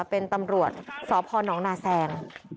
เป็นตำรวจสพนนาแซง